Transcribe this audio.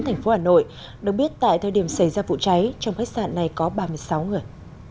thành phố hà nội được biết tại thời điểm xảy ra vụ cháy trong khách sạn này có ba mươi sáu người